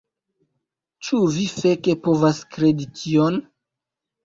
Ĉu vi feke povas kredi tion??